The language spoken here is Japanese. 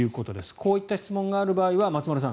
こういった質問がある場合は松丸さん